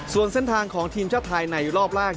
ส่วนเส้นทางของทีมชาติไทยในรอบแรก